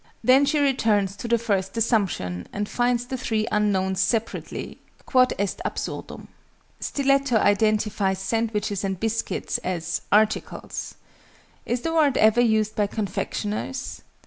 Then she returns to the first assumption, and finds the 3 unknowns separately: quod est absurdum. STILETTO identifies sandwiches and biscuits, as "articles." Is the word ever used by confectioners?